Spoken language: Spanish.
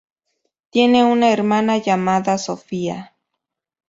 Tiene una hermana llamada Sofía.